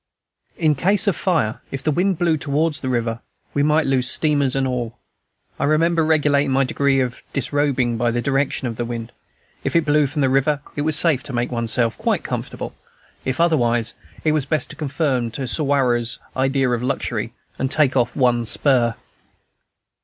In case of fire, if the wind blew towards the river, we might lose steamers and all. I remember regulating my degree of disrobing by the direction of the wind; if it blew from the river, it was safe to make one's self quite comfortable; if otherwise, it was best to conform to Suwarrow's idea of luxury, and take off one spur.